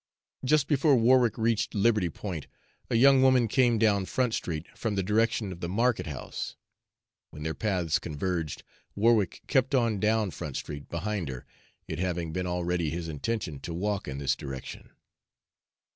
Just before Warwick reached Liberty Point, a young woman came down Front Street from the direction of the market house. When their paths converged, Warwick kept on down Front Street behind her, it having been already his intention to walk in this direction.